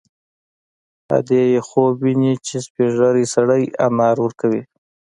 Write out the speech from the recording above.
ادې یې خوب ویني چې سپین ږیری سړی انار ورکوي